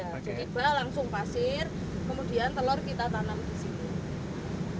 jadi bak langsung pasir kemudian telur kita tanam di sini